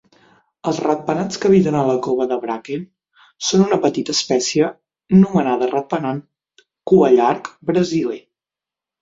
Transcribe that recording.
Els ratpenats que habiten a la cova de Bracken són una petita espècie nomenada ratpenat cuallarg brasiler.